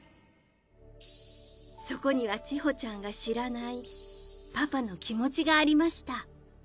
そこには千穂ちゃんが知らないパパの気持ちがありました。